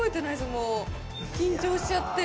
もう、緊張しちゃって。